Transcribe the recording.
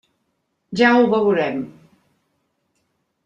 Ja ho veurem!